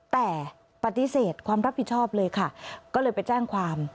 แต่ปฏิเสธความรับผิดชอบเลยค่ะก็เลยไปแจ้งความ